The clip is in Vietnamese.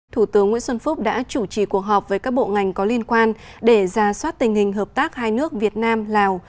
thủ tướng nguyễn xuân phúc đã chủ trì cuộc họp với các bộ ngành có liên quan để ra soát tình hình hợp tác hai nước việt nam lào